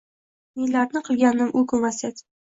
Nelarni qilgandim u kun vasiyat?